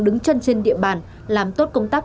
đứng chân trên địa bàn làm tốt công tác